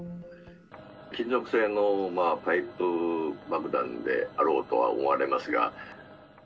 金属製のパイプ爆弾であろうとは思われますが。